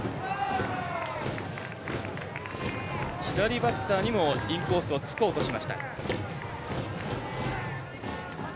左バッターにもインコースをつこうとしました。